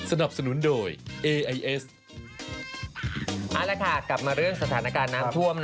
เอาละค่ะกลับมาเรื่องสถานการณ์น้ำท่วม